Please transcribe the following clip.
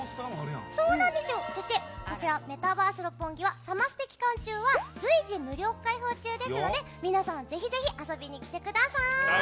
そして、メタバース六本木はサマステ期間中は随時無料開放中ですので皆さんもぜひぜひ遊びに来てください！